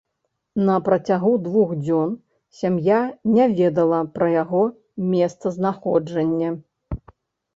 На працягу двух дзён сям'я не ведала пра яго месцазнаходжанне.